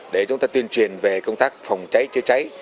để chúng ta tuyên truyền về công tác phòng cháy chữa cháy